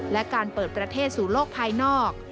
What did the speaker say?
และการเปิดประเทศสู่โลกภายนอก